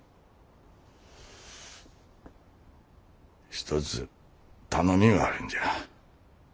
一つ頼みがあるんじゃ。